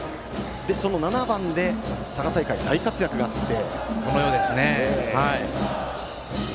その７番で佐賀大会大活躍がありました。